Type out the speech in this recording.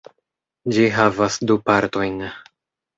Ĝi havas du partojn.